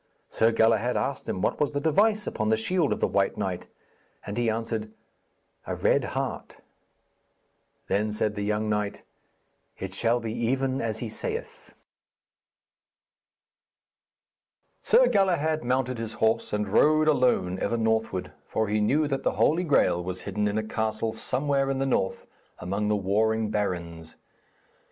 Sir Galahad asked him what was the device upon the shield of the white knight, and he answered, 'A red heart.' Then said the young knight, 'It shall be even as he saith.' Sir Galahad mounted his horse and rode alone, ever northward, for he knew that the Holy Graal was hidden in a castle somewhere in the north among the warring barons.